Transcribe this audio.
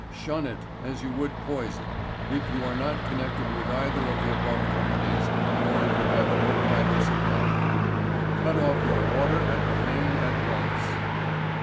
Shun it as you would poison. If you are not connected with either of the above companies, or if you have no private supply. CUT OFF YOUR WATER AT THE MAIN AT ONCE!